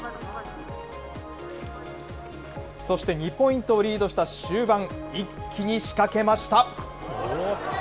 そして２ポイントをリードした終盤、一気に仕掛けました。